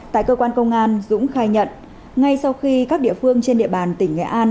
tại cơ quan công an dũng khai nhận ngay sau khi các địa phương trên địa bàn tỉnh nghệ an